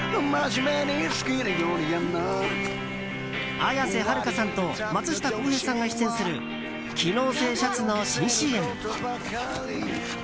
綾瀬はるかさんと松下洸平さんが出演する機能性シャツの新ＣＭ。